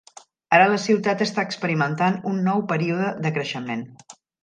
Ara la ciutat està experimentant un nou període de creixement.